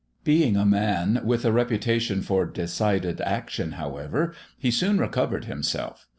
Being a man with a reputation for decided action, however, he soon recovered himself.